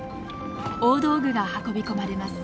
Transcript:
大道具が運び込まれます。